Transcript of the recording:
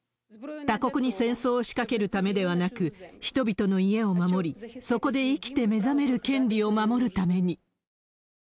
他国に戦争を仕掛けるためではなく、人々の家を守り、そこで生きて目覚める権利を守るために。